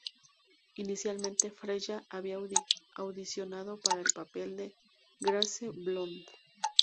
Inicialmente Freya había audicionado para el papel de Grace Blood.